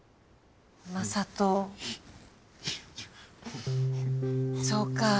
正門そうか。